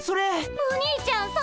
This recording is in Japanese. お兄ちゃんそれ！